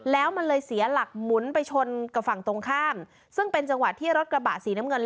แล้วมันเลยเสียหลักหมุนไปชนกับฝั่งตรงข้ามซึ่งเป็นจังหวะที่รถกระบะสีน้ำเงิน